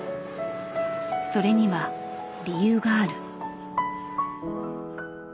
それには理由がある。